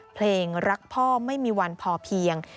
เพลงรักพ่อไม่มีวันพอเพียง